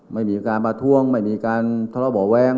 ไม่มีการประท้วงไม่มีการทะเลาะเบาะแว้ง